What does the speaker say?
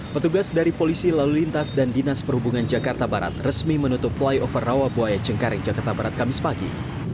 petugas dari polisi lalu lintas dan dinas perhubungan jakarta barat resmi menutup flyover rawabuaya cengkareng jakarta barat kamis pagi